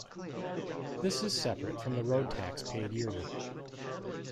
This is separate from the road tax paid yearly.